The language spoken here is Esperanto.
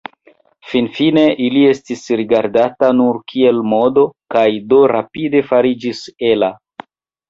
Finfine, ili estis rigardita nur kiel modo kaj do rapide fariĝis ela.